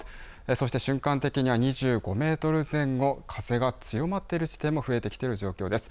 そして瞬間的には２５メートル前後、風が強まっている地点も増えてきている状況です。